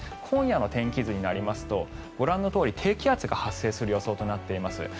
今夜の天気図になるとご覧のように低気圧が発生する予想になっています。